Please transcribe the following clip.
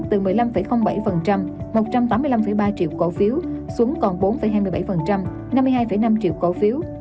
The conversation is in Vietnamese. từ một mươi năm bảy một trăm tám mươi năm ba triệu cổ phiếu xuống còn bốn hai mươi bảy năm mươi hai năm triệu cổ phiếu